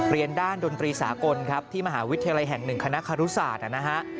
เรียนด้านดนตรีสากลครับที่มหาวิทยาลัยแห่ง๑คณะคารุศาสตร์นะฮะ